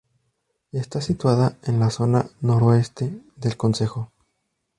Está situada en la zona noroeste del concejo.